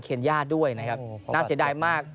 เคนย่าด้วยนะครับน่าเสียดายมาก